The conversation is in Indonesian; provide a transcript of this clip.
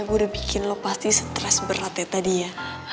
gue udah bikin lo pasti stres beratnya tadi ya